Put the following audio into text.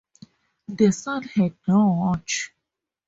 The son had no watch.